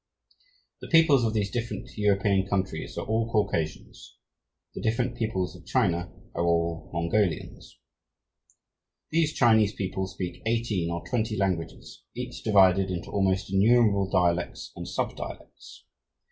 The peoples of these different European countries are all Caucasians; the different peoples of China are all Mongolians. These Chinese people speak eighteen or twenty "languages," each divided into almost innumerable dialects and sub dialects.